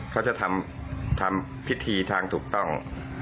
เขาจะทำพิธีทางถูกต้อง